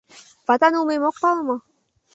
«Ватан улмем ок пале мо?